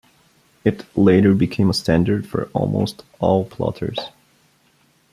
It later became a standard for almost all plotters.